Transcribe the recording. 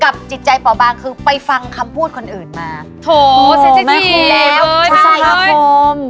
กับจิตใจเปราะบางคือไปฟังคำพูดคนอื่นมาโถโถไม่พูดแล้วพฤษภาคม